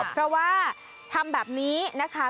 เพราะว่าทำแบบนี้นะคะ